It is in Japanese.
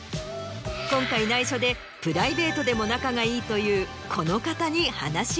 今回内緒でプライベートでも仲がいいという。